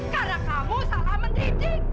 karena kamu salah mendidik